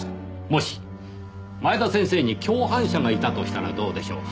もし前田先生に共犯者がいたとしたらどうでしょう？